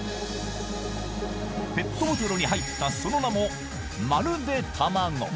ペットボトルに入ったその名も、まるで卵。